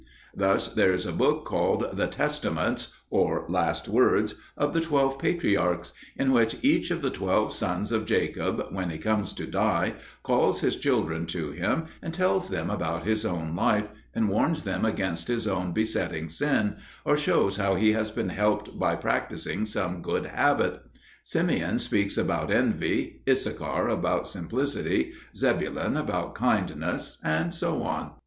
Thus, there is a book called The Testaments (or Last Words) of the Twelve Patriarchs, in which each of the twelve sons of Jacob, when he comes to die, calls his children to him and tells them about his own life, and warns them against his own besetting sin, or shows how he has been helped by practising some good habit: Simeon speaks about envy, Issachar about simplicity, Zebulun about kindness, and so on.